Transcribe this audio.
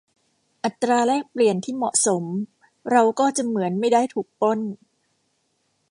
อัตราแลกเปลี่ยนที่เหมาะสมเราก็จะเหมือนไม่ได้ถูกปล้น